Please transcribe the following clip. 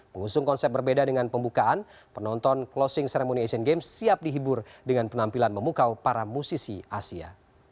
mengusung konsep berbeda dengan pembukaan penonton closing ceremony asian games siap dihibur dengan penampilan memukau para musisi asia